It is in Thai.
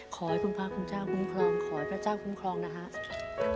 ขอให้คุณพระคุณเจ้าคุ้มครองขอให้พระเจ้าคุ้มครองนะครับ